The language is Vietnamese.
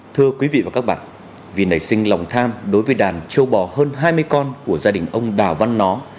thưa quý vị và các bạn vì nảy sinh lòng tham đối với đàn châu bò hơn hai mươi con của gia đình ông đào văn nó